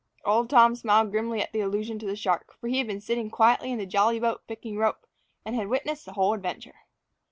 Old Tom smiled grimly at the allusion to the shark; for he had been sitting quietly in the jolly boat picking rope, and had witnessed the whole adventure.